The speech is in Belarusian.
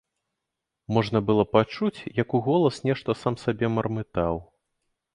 Можна было пачуць, як уголас нешта сам сабе мармытаў.